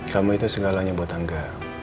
kamu itu segalanya buat angga